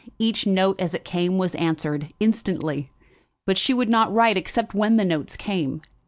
Each note as it came was answered, instantly; but she would not write except when the notes came.